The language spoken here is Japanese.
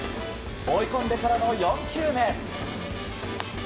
追い込んでからの４球目。